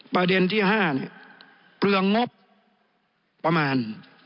ประเด็นที่๕เปลืองงบประมาณ